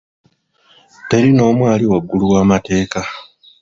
Teri n'omu ali waggulu wa'amateeka.